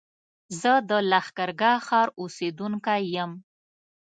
زه د لښکرګاه ښار اوسېدونکی يم